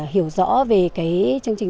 hiểu rõ về chương trình